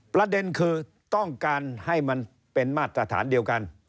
ประเด็นคือต้องการให้มันเป็นมาตรฐานเดียวกัน